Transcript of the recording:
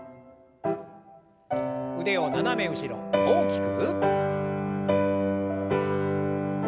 腕を斜め後ろ大きく。